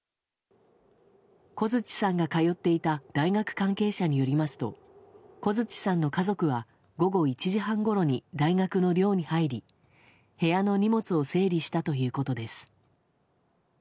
小槌さんが通っていた大学関係者によりますと小槌さんの家族は午後１時半ごろに大学の寮に入り部屋の荷物を整理したということです。